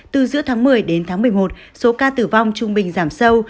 từ giữa tháng một mươi đến tháng một mươi một số ca tử vong trung bình giảm sâu